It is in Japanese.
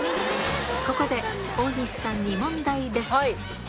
ここで、大西さんに問題です。